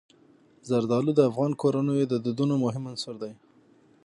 زردالو د افغان کورنیو د دودونو مهم عنصر دی.